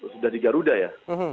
sudah di garuda ya